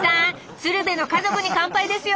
「鶴瓶の家族に乾杯」ですよ